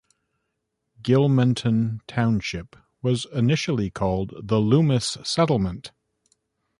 Gilmanton Township was initially called the Loomis Settlement.